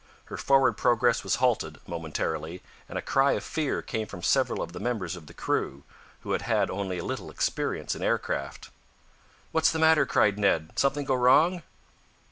Her forward progress was halted, momentarily, and a cry of fear came from several of the members of the crew, who had had only a little experience in aircraft. "What's the matter?" cried Ned. "Something go wrong?"